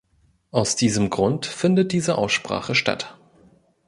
Aus diesem Grund findet diese Aussprache statt.